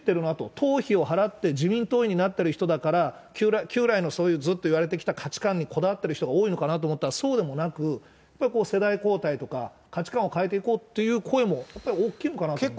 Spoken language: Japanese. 党費を払って、自民党員になってる人だから旧来のそういうずっといわれてきた価値観にこだわってる人が多いのかなと思ったら、そうでもなく、世代交代とか、価値観を変えていこうという声もやっぱり多いのかなと思いますね。